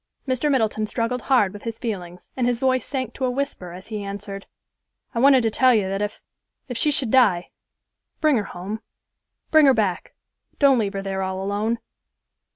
Mr. Middleton struggled hard with his feelings, and his voice sank to a whisper as he answered, "I wanted to tell you that if—if she should die, bring her home—bring her back; don't leave her there all alone."